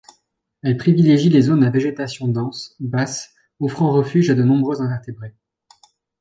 Elle privilégie les zones à végétation dense, basse, offrant refuge à de nombreux invertébrés.